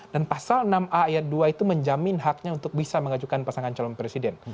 dan pasal enam a ayat dua itu menjamin haknya untuk bisa mengajukan pasangan calon presiden